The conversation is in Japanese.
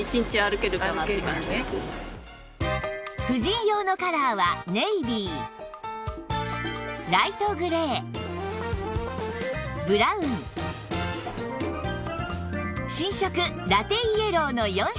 婦人用のカラーはネイビーライトグレーブラウン新色ラテイエローの４色